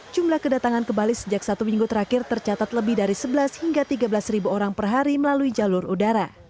jumlah kedatangan ke bali sejak satu minggu terakhir tercatat lebih dari sebelas hingga tiga belas ribu orang per hari melalui jalur udara